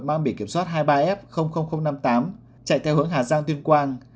mang bỉ kiểm soát hai mươi ba f năm mươi tám chạy theo hướng hà giang tuyên quang